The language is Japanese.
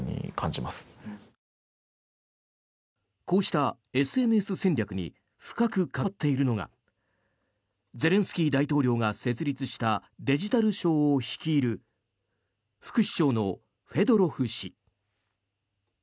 こうしたＳＮＳ戦略に深く関わっているのがゼレンスキー大統領が設立したデジタル省を率いる副首相のフェドロフ氏。